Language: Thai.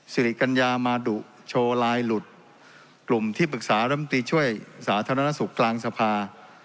สิริกัญญามาดุโชว์ลายหลุดกลุ่มที่ปรึกษารำตีช่วยสาธารณสุขกลางสภา